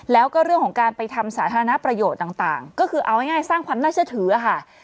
แล้วก็เรื่องของการไปทำสาธารณประโยชน์ต่างก็คือเอาง่ายสร้างความน่าเชื่อถือค่ะ